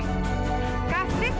terlalu lama kamu ngebacanya